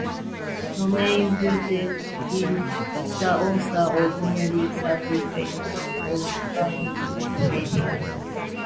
Romain Bouteille is the author of nearly thirty plays of anarchist inspiration.